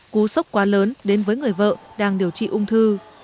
cú sốc quá lớn đến với người vợ đang điều trị ung thư